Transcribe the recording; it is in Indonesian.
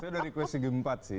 saya udah request segitiga empat sih